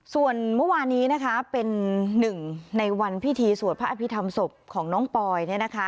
ส่วนเมื่อวานนี้นะคะเป็นหนึ่งในวันพิธีสวดพระอภิษฐรรมศพของน้องปอย